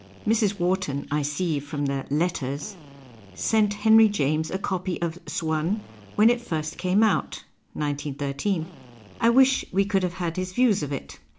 Mrs. Wharton, I see from the " Letters," sent Henry James a copy of " Swann " when it first came out (191.3) : I wish we could have had his views of it.